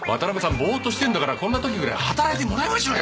ぼーっとしてんだからこんな時ぐらい働いてもらいましょうよ